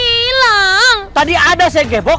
hilang tadi ada saya gebok